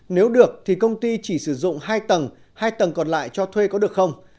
nếu được thì công ty chỉ sử dụng hai tầng hai tầng còn lại cho thuê có được không